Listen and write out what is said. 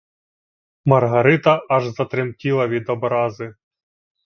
Маргарита аж затремтіла від образи.